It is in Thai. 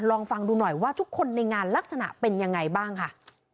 ลองฟังดูหน่อยว่าทุกคนในงานลักษณะเป็นยังไงบ้างค่ะ